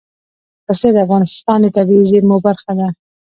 پسه د افغانستان د طبیعي زیرمو برخه ده.